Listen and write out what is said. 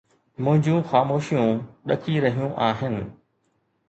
منهنجون خاموشيون ڏڪي رهيون آهن